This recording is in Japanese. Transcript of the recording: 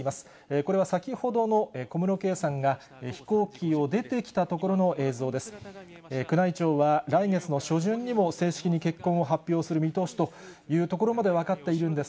これは先ほどの小室圭さんが、飛行機を出てきたときの映像です。